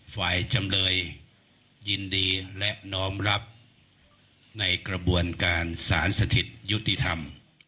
ฝ่ายจำเลยยินดีและน้อมรับในกระบวนการสารสถิตยุติธรรม